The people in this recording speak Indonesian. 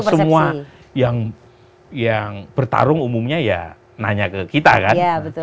semua yang bertarung umumnya ya nanya ke kita kan